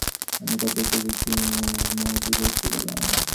আমি কতকগুলি চীনে মন্দির দেখতে গেলাম।